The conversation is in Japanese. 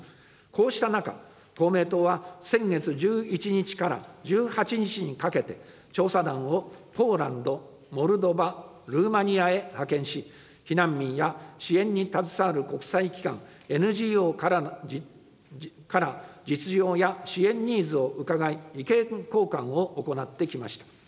こうした中、公明党は先月１１日から１８日にかけて、調査団をポーランド、モルドバ、ルーマニアへ派遣し、避難民や支援に携わる国際機関、ＮＧＯから実情や支援ニーズを伺い、意見交換を行ってきました。